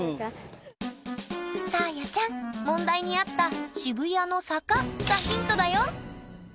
さあやちゃん問題にあった「渋谷の坂」がヒントだよ。